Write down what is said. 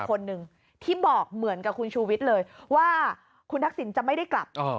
คนหนึ่งที่บอกเหมือนกับคุณชูวิทย์เลยว่าคุณทักษิณจะไม่ได้กลับ